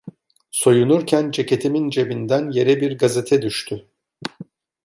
Soyunurken ceketimin cebinden yere bir gazete düştü.